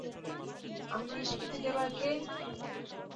আমি নিষ্কৃতি দেবার কে?